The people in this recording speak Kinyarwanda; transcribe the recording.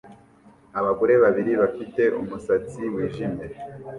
Abagore babiri bafite umusatsi wijimye